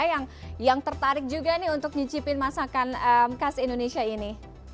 yang tertarik juga nih untuk nyicipin masakan khas indonesia ini